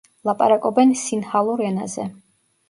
ლაპარაკობენ სინჰალურ ენაზე.